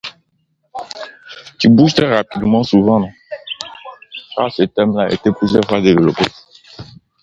À son lancement Histoire était diffusé par câble et par satellite.